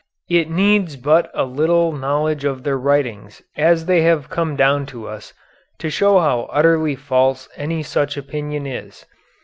It needs but a little knowledge of their writings as they have come down to us to show how utterly false any such opinion is.